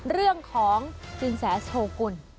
เรื่องของสินแสโชกุล